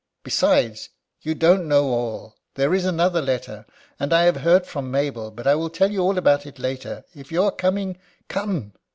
Besides, you don't know all. There is another letter. And I have heard from Mabel. But I will tell you all about it later. If you are coming, come!"